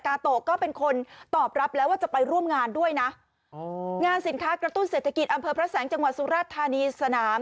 โตะก็เป็นคนตอบรับแล้วว่าจะไปร่วมงานด้วยนะงานสินค้ากระตุ้นเศรษฐกิจอำเภอพระแสงจังหวัดสุราชธานีสนาม